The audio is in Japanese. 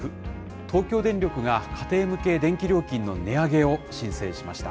東京電力が家庭向け電気料金の値上げを申請しました。